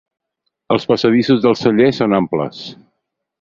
Els passadissos del celler són amples.